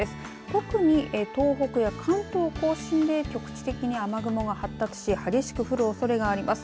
特に東北や関東甲信で局地的に雨雲が発達し激しく降るおそれがあります。